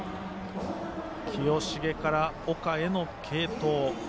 清重から岡への継投。